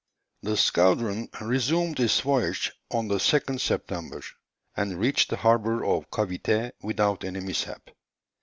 The squadron resumed its voyage on the 2nd September, and reached the harbour of Cavité without any mishap.